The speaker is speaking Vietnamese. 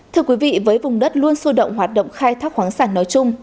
thưa quý vị với vùng đất luôn sôi động hoạt động khai thác khoáng sản nói chung